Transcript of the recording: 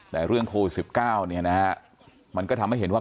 แต่เรื่องโควิด๑๙มันก็ทำให้เห็นว่า